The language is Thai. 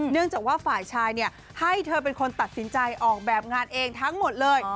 เนื่องจากว่าฝ่ายชายให้เธอเป็นคนตัดสินใจออกแบบงานเองทั้งหมดเลย